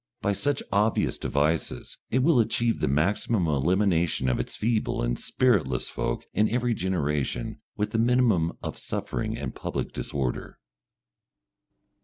By such obvious devices it will achieve the maximum elimination of its feeble and spiritless folk in every generation with the minimum of suffering and public disorder.